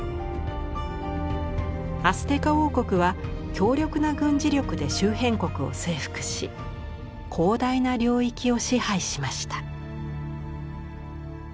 アステカ王国は強力な軍事力で周辺国を征服し広大な領域を支配しました。